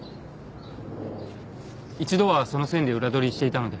一度はその線で裏取りしていたので。